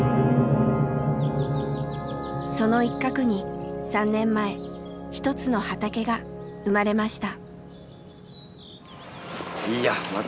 その一角に３年前一つの畑が生まれました。